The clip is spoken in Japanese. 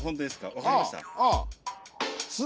分かりました？